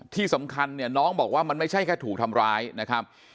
ที่สำคัญเนี่ยน้องบอกว่ามันไม่ใช่แค่ถูกทำร้ายนะครับ